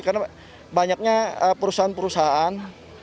karena banyaknya perusahaan perusahaan